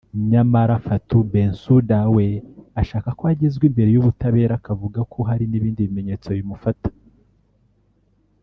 nyamara Fatou Bensouda we ashaka ko agezwa imbere y’ubutabera akavuga ko hari n’ibindi bimenyetso bimufata